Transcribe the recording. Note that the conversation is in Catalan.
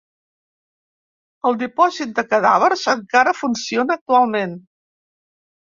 El dipòsit de cadàvers encara funciona actualment.